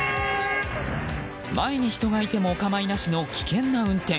前に人がいてもお構いなしの危険な運転。